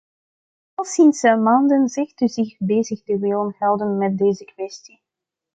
Al sinds maanden zegt u zich bezig te willen houden met deze kwestie.